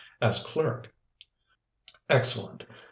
"As clerk." "Excellent.